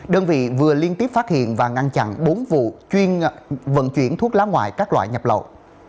đơn vị vừa liên tiếp phát hiện và ngăn chặn bốn vụ chuyên vận chuyển thuốc lá ngoại các loại nhập lậu